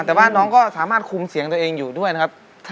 แต่ว่าน้องก็สามารถคุมเสียงตัวเองอยู่ด้วยนะครับ